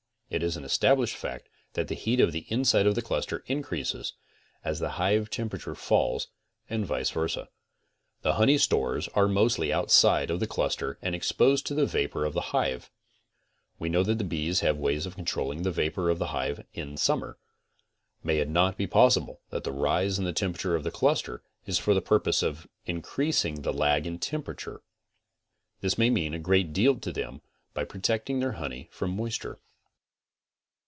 It is an estab lished fact that the heat of the inside of the cluster increases as the hive temperature falls and vice versa. The honey stores are mostly outside of the cluster and exposed to the vapor of the hive. We know that the bees have ways of controling the vapor of the hive in summer. May it not be possible that the rise in temperature of the cluster is for the purpose of increasing the lag in temperature? This may mean a great deal to them by pro tecting their honey from moisture.